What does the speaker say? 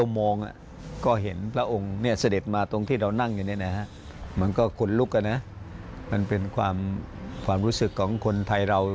มันก็ขนลุกนะมันเป็นความรู้สึกของคนไทยเรา